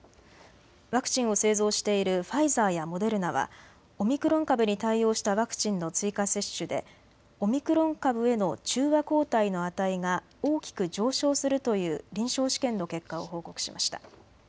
ワクチンを製造しているファイザーやモデルナはオミクロン株に対応したワクチンの追加接種でオミクロン株への中和抗体の値が大きく上昇するという臨床試験の結果を報告しました。